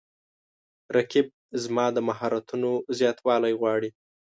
رقیب زما د مهارتونو زیاتوالی غواړي